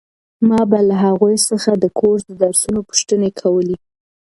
ما به له هغوی څخه د کورس د درسونو پوښتنې کولې.